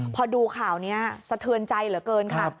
พอดูข่าวนี้สะเทือนใจเหลือเกินค่ะ